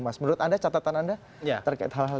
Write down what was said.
menurut anda catatan anda terkait hal hal ini